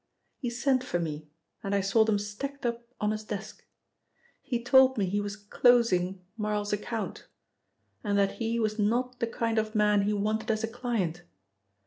He sent for me and I saw them stacked up on his desk. He told me he was closing Marl's account, and that he was not the kind of man he wanted as a client.